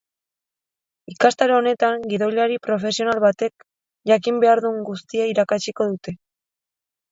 Ikastaro honetan, gidoilari profesional batek jakin behar duen guztia irakatsiko dute.